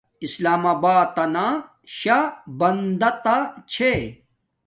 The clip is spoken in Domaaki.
اسلام آباتنا شا بندا تا چھے